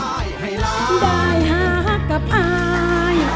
ได้ฮากกับอาย